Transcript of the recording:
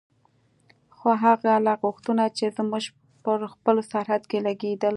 خو هغه لګښتونه چې زموږ په خپل سرحد کې لګېدل.